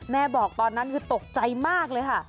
บอกตอนนั้นคือตกใจมากเลยค่ะ